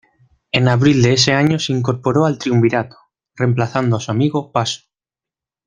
En abril de ese año se incorporó al Triunvirato, reemplazando a su amigo Paso.